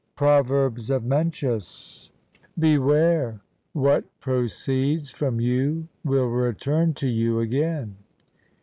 PROVERBS OF MENCIUS Beware; what proceeds from you will return to you again.